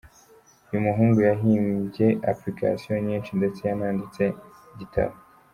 Uyu muhungu yahimbye applications nyinshi ndetse yananditse igitabo.